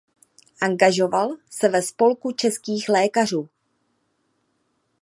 Angažoval se ve spolku českých lékařů.